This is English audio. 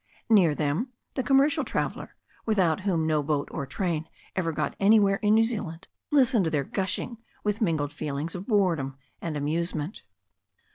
Near them the commercial traveller, without whom no boat or train ever got anywhere in New Zealand, listened to their gushing with mingled feelings of boredom and amusement.